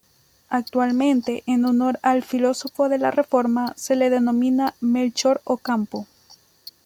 Actualmente, en honor al filósofo de la Reforma, se le denomina Melchor Ocampo.